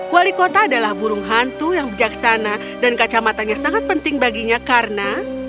wali kota adalah burung hantu yang bijaksana dan kacamatanya sangat penting baginya karena